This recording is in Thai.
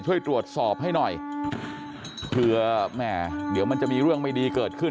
ช่วยตรวจสอบให้หน่อยเผื่อแหม่เดี๋ยวมันจะมีเรื่องไม่ดีเกิดขึ้น